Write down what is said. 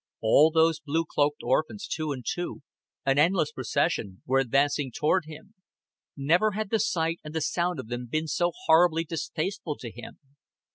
All those blue cloaked orphans, two and two, an endless procession, were advancing toward him. Never had the sight and the sound of them been so horribly distasteful to him.